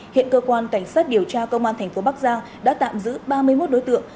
hiện cơ quan cảnh sát điều tra công an thành phố bắc giang đã tạm giữ ba mươi một đối tượng